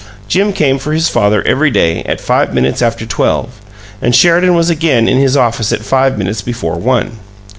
Jim came for his father every day, at five minutes after twelve, and Sheridan was again in his office at five minutes before one.